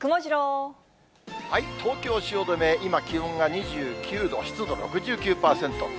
東京・汐留、今、気温が２９度、湿度６９％。